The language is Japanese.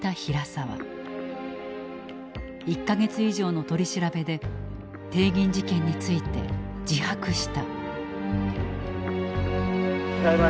１か月以上の取り調べで帝銀事件について自白した。